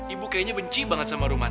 ibu kayaknya benci banget sama rumah